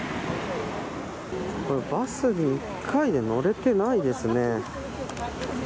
バスに１回で乗れてないですね。